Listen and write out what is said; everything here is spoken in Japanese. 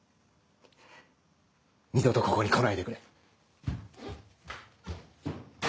二度とここに来ないでくれ。